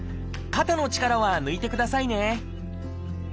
肩の力は抜いてくださいね。